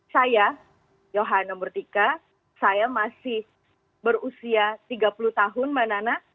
saya yohana murtika saya masih berusia tiga puluh tahun mbak nana